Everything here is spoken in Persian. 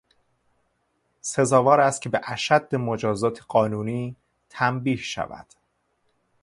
سزاوار است که به اشد مجازات قانونی تنبیه شود.